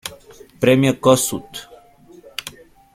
Premio Kossuth.